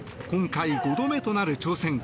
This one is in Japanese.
今回５度目となる挑戦。